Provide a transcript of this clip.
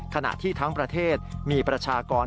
ขณะที่ทั้งประเทศมีประชากร